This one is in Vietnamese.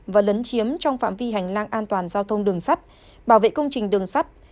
và lấn chiếm trong phạm vi hành lang an toàn giao thông đường sắt bảo vệ công trình đường sắt